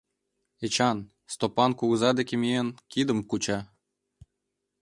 Эчан, Стопан кугыза деке миен, кидым куча.